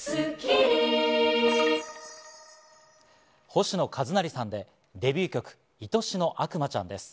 星野一成さんで、デビュー曲『いとしの悪魔ちゃん』です。